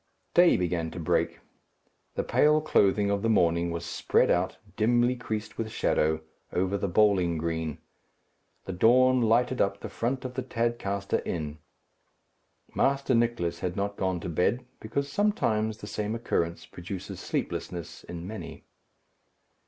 Day began to break. The pale clothing of the morning was spread out, dimly creased with shadow, over the bowling green. The dawn lighted up the front of the Tadcaster Inn. Master Nicless had not gone to bed, because sometimes the same occurrence produces sleeplessness in many.